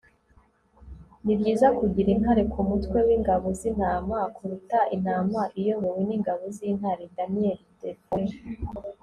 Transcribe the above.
ni byiza kugira intare ku mutwe w'ingabo z'intama, kuruta intama iyobowe n'ingabo z'intare. - daniel defoe